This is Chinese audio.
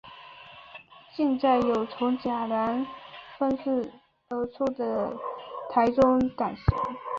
现在有从甲南分歧而出的台中港线。